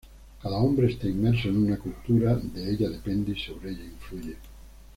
Cada hombre está inmerso en una cultura, de ella depende y sobre ella influye.